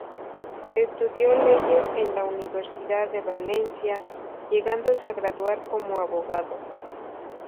Estudió leyes en la Universidad de Valencia, llegándose a graduar como abogado.